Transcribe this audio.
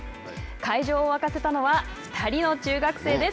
会場を沸かせたのは２人の中学生です。